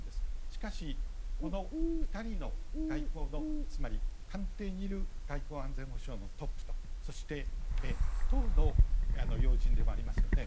しかし、この２人の外交の官邸にいる外交・安全保障のトップとそして党の要人でもありますよね。